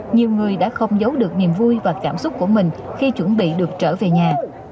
nhiều người đã không giấu được niềm vui và cảm xúc của mình khi chuẩn bị được trở về nhà